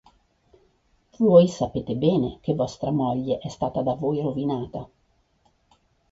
Voi sapete bene che vostra moglie è stata da voi rovinata.